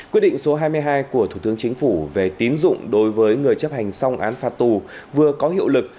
quyết định số hai mươi hai của thủ tướng chính phủ về tín dụng đối với người chấp hành xong án phạt tù vừa có hiệu lực